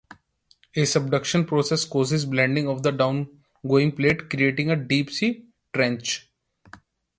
The subduction process causes bending of the downgoing plate, creating a deep-sea trench.